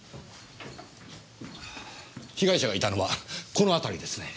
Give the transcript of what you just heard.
被害者がいたのはこの辺りですね。